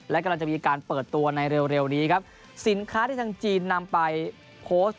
และกำลังจะมีการเปิดตัวในเร็วเร็วนี้ครับสินค้าที่ทางจีนนำไปโพสต์